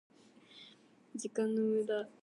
時間の無駄？